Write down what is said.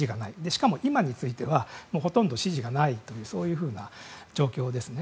しかも今についてはほとんど支持がないというそういうふうな状況ですね。